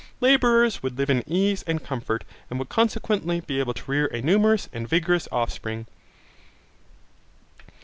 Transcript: Labourers would live in ease and comfort, and would consequently be able to rear a numerous and vigorous offspring.